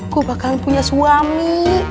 gue bakalan punya suami